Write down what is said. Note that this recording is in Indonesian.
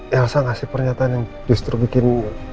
elsa ngasih pernyataan yang justru bikin